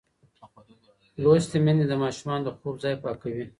لوستې میندې د ماشومانو د خوب ځای پاکوي.